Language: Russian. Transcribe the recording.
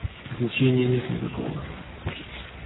Значения нет никакого.